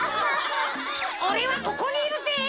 おれはここにいるぜ！